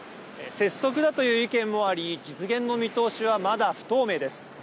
拙速だという意見もあり実現の見通しはまだ不透明です。